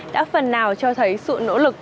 đã phần nào cho thấy sự nỗ lực